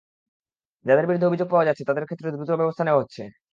যাঁদের বিরুদ্ধে অভিযোগ পাওয়া যাচ্ছে, তাঁদের ক্ষেত্রে দ্রুত ব্যবস্থা নেওয়া হচ্ছে।